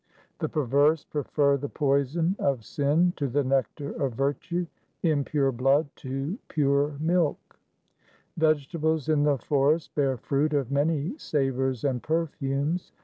1 The perverse prefer the poison of sin to the nectar of virtue, impure blood to pure milk :— Vegetables in the forest bear fruit of many savours and perfumes.